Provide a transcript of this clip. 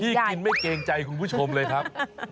กินไม่เกรงใจคุณผู้ชมเลยครับ